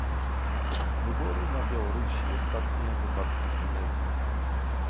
wybory na Białorusi, ostatnie wypadki w Tunezji